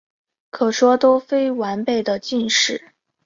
可说都非完备的晋史。